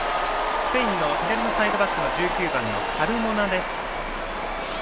スペインの左のサイドバック１９番のカルモナです。